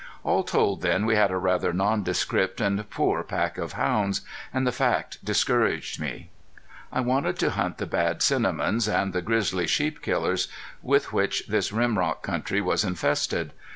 All told then we had a rather nondescript and poor pack of hounds; and the fact discouraged me. I wanted to hunt the bad cinnamons and the grizzly sheep killers, with which this rim rock country was infested.